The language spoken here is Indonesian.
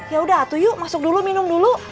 ya udah atu yuk masuk dulu minum dulu